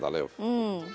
うん。